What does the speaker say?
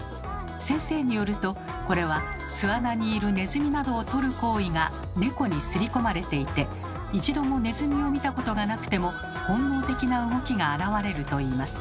先生によるとこれは巣穴にいるネズミなどをとる行為が猫にすり込まれていて一度もネズミを見たことがなくても本能的な動きが現れるといいます。